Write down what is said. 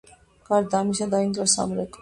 გარდა ამისა დაინგრა სამრეკლო.